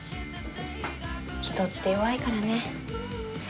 人って弱いからね。